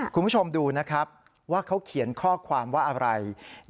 คุณผู้ชมดูนะครับว่าเขาเขียนข้อความว่าอะไร